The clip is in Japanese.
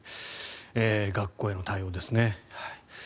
学校への対応ですね。